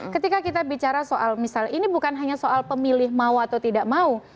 ketika kita bicara soal misalnya ini bukan hanya soal pemilih mau atau tidak mau